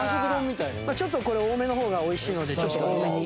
ちょっとこれ多めの方が美味しいのでちょっと多めに。